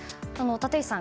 立石さん